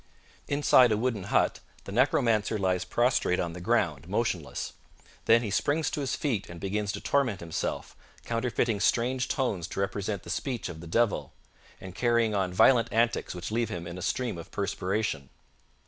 Inside a wooden hut the necromancer lies prostrate on the ground, motionless. Then he springs to his feet and begins to torment himself, counterfeiting strange tones to represent the speech of the devil, and carrying on violent antics which leave him in a stream of perspiration.